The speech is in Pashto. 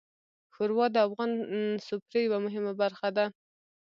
ښوروا د افغان سفرې یوه مهمه برخه ده.